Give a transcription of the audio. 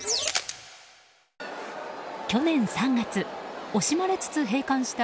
去年３月惜しまれつつ閉館した